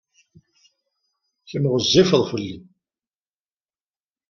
Kemm ɣezzifed fell-i.